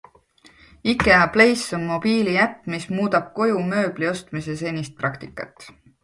IKEA Place on mobiiliäpp, mis muudab koju mööbli ostmise senist praktikat.